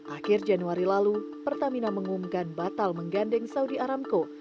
akhir januari lalu pertamina mengumumkan batal menggandeng saudi aramco